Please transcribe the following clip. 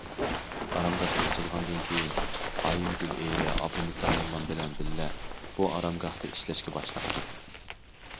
ئارامگاھ ئېچىلغاندىن كېيىن ئايىمگۈل ئېرى ئابلىمىت داموللا بىلەن بىللە بۇ ئارامگاھتا ئىشلەشكە باشلاپتۇ.